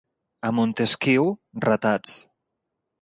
A Montesquiu: ratats.